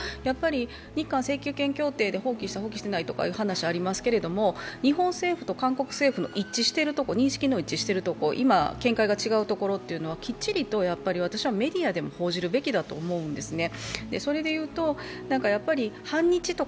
日韓請求権協定で放棄した、放棄していないという話がありますが日本政府と韓国政府の認識の一致しているところ、今、見解が違うところというのはきっちりとメディアでも報じるべきだと思うんですね。